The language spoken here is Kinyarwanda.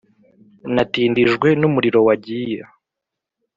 Natindijwe numuriro wagiye